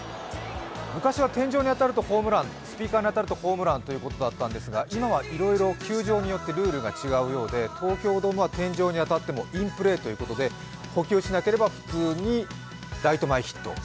昔は天井に当たるとホームラン、スピーカーに当たるとホームランということだったんですが、今は球場によってルールが違うということで東京ドームは天井に当たってもインプレーということで補球しなければ普通にライト前ヒット。